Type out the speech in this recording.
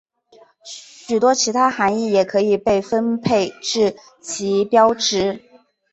许多其他含意也可以被分配至旗标值。